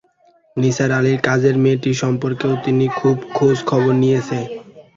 নিসার আলির কাজের মেয়েটি সম্পর্কেও তিনি কিছু খোঁজ খবর নিয়েছেন।